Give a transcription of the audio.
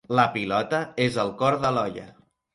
La pilota és el cor de l'olla.